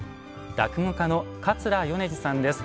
落語家の桂米二さんです。